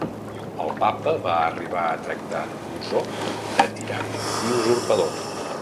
El papa va arribar a tractar Bosó de tirà i usurpador.